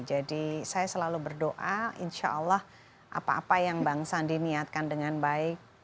jadi saya selalu berdoa insya allah apa apa yang bang sandi niatkan dengan baik